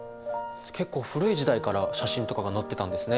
結構古い時代から写真とかが載ってたんですね。